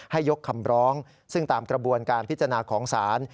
ยกคำร้องซึ่งตามกระบวนการพิจารณาของศาล